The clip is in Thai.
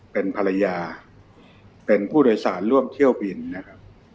เป็นภรรยาเป็นผู้โดยสารร่วมเที่ยวบินนะครับ